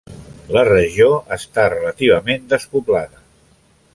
La regió està relativament despoblada.